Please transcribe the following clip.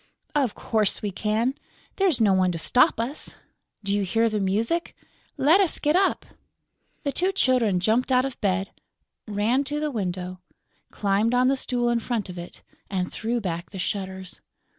"Of course we can; there's no one to stop us.... Do you hear the music?... Let us get up." The two Children jumped out of bed, ran to the window, climbed on the stool in front of it and threw back the shutters.